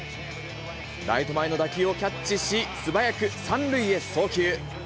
ライト前の打球をキャッチし、素早く３塁へ送球。